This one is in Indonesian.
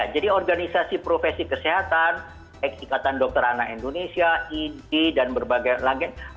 jadi organisasi profesi kesehatan eksikatan dokter anak indonesia idi dan berbagai lagi